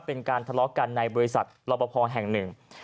เป็นการทะเลาะกันในบริษัทรอบพอแห่งหนึ่ง